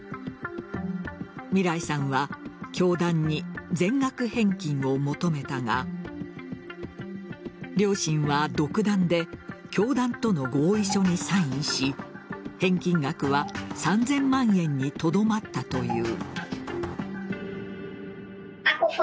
みらいさんは教団に全額返金を求めたが両親は、独断で教団との合意書にサインし返金額は３０００万円にとどまったという。